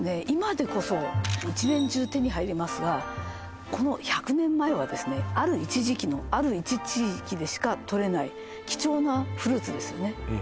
今でこそ一年中手に入りますがこの１００年前はですねある一時期のある一地域でしかとれない貴重なフルーツですよね